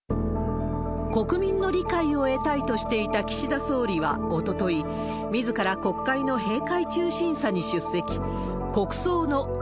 国民の理解を得たいとしていた岸田総理はおととい、みずから国会の閉会中審査に出席。